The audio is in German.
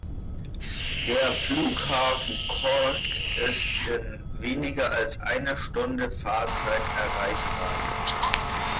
Der Flughafen Cork ist in weniger als einer Stunde Fahrzeit erreichbar.